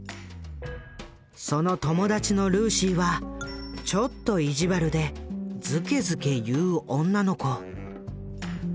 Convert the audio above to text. その友達のルーシーはちょっと意地悪でずけずけ言う女の子。